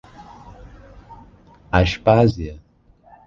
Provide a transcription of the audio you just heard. Aspásia